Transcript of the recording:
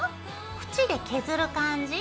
縁で削る感じ。